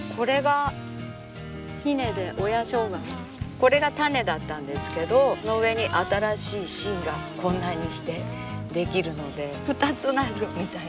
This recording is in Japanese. これが種だったんですけどその上に新しい新がこんなにして出来るので２つなるみたいな。